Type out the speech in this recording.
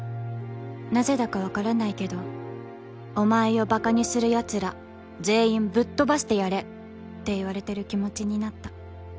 なぜだかわからないけどお前をばかにするやつら全員ぶっ飛ばしてやれって言われてる気持ちになった。